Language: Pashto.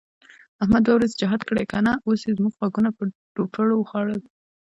احمد دوه ورځې جهاد کړی که نه، اوس یې زموږ غوږونه په دوپړو وخوړل.